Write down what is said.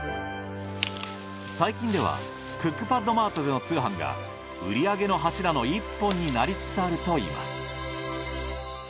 最近ではクックパッドマートでの通販が売り上げの柱の１本になりつつあると言います。